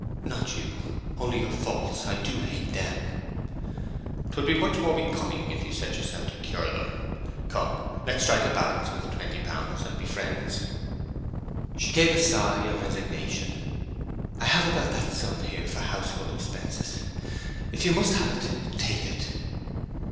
"Not you—only your faults. I do hate them." "'Twould be much more becoming if you set yourself to cure them. Come, let's strike a balance with the twenty pounds, and be friends." She gave a sigh of resignation. "I have about that sum here for household expenses. If you must have it, take it."